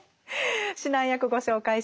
指南役ご紹介します。